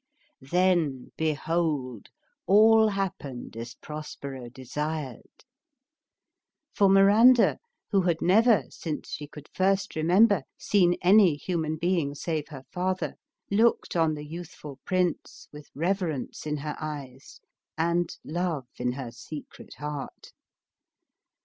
Then, behold ! all happened as Prospero desired. For Miranda, who had never, since she could first remem ber, seen any human being save her father, looked on the youthful prince with reverence in her eyes, and love in her secret heart.